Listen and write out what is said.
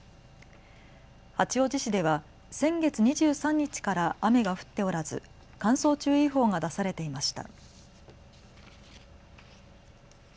八王子市では先月２３日から雨が降っておらず乾燥注意報が出されていました。